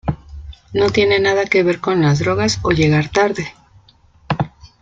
No tiene nada que ver con las "drogas" o "llegar tarde".